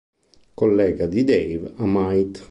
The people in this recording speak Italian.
Collega di Dave a "Might".